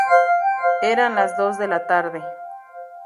Eran las dos de la tarde.